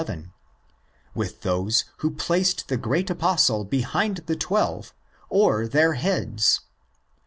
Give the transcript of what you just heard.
—with those who placed the great Apostle behind the Twelve or their heads?